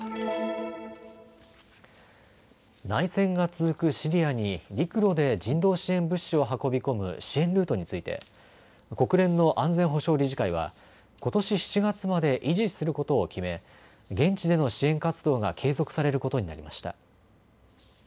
内戦が続くシリアに陸路で人道支援物資を運び込む支援ルートについて国連の安全保障理事会はことし７月まで維持することを決め、現地での支援活動が継続されることになりました。